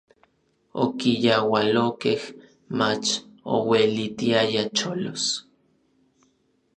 Okiyaualokej, mach ouelitiaya cholos.